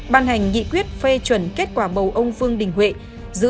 ban hành nghị quyết phê chuẩn kết quả bầu ông vương đình huệ